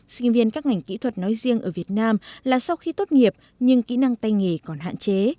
sinh viên các ngành kỹ thuật nói riêng ở việt nam là sau khi tốt nghiệp nhưng kỹ năng tay nghề còn hạn chế